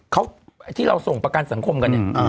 เขาไอ้ที่เราส่งประกันสังคมกันเนี่ย